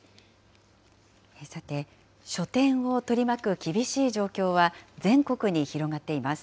さて、書店を取り巻く厳しい状況は全国に広がっています。